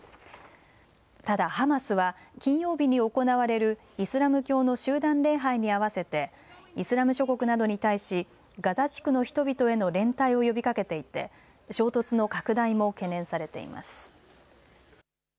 ただハマスは金曜日に行われるイスラム教の集団礼拝に合わせてイスラム諸国などに対しガザ地区の人々への連帯を呼びかけていて衝突の拡大も懸念されています。